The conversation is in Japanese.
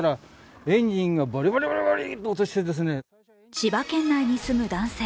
千葉県内に住む男性。